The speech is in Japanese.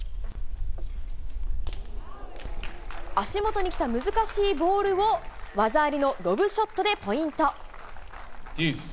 足元に来た難しいボールを、技ありのロブショットでポイント。